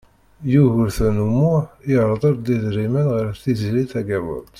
Yugurten U Muḥ irḍel-d idrimen ɣer Tiziri Tagawawt.